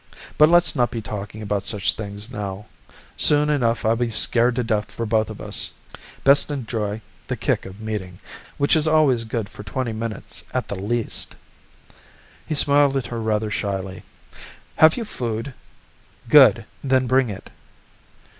"But let's not be talking about such things now. Soon enough I'll be scared to death for both of us. Best enjoy the kick of meeting, which is always good for twenty minutes at the least." He smiled at her rather shyly. "Have you food? Good, then bring it."